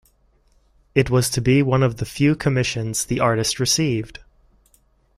It was to be one of the few commissions the artist received.